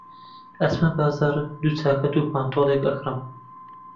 ئەچمە بازاڕ دوو چاکەت و پانتۆڵێک ئەکڕم.